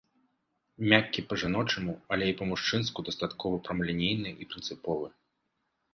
Мяккі па-жаночаму, але і па-мужчынску дастаткова прамалінейны і прынцыповы.